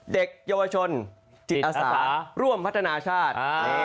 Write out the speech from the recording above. เด็กเยาวชนจิตอาสาร่วมพัฒนาชาติ